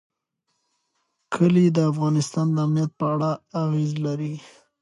کلي د افغانستان د امنیت په اړه اغېز لري.